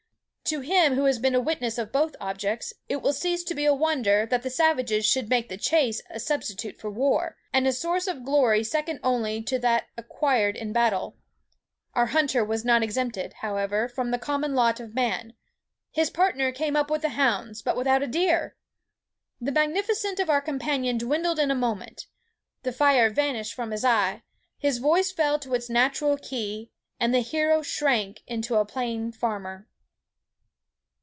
To him who has been a witness of both objects, it will cease to be a wonder that the savage should make the chase a substitute for war, and a source of glory second only to that acquired in battle. Our hunter was not exempted, however, from the common lot of man. His partner came up with the hounds, but without a deer! The magnificence of our companion dwindled in a moment. The fire vanished from his eye; his voice fell to its natural key; and the hero shrank into a plain farmer."